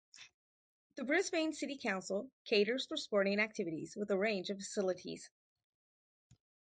The Brisbane City Council caters for sporting activities with a range of facilities.